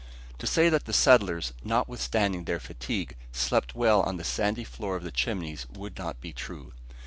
To say that the settlers, notwithstanding their fatigue, slept well on the sandy floor of the Chimneys would not be true.